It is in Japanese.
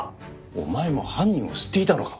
お前も犯人を知っていたのか？